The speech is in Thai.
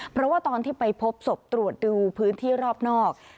เพราะว่าตอนที่ไปพบศพตรวจดูพื้นที่รอบนอก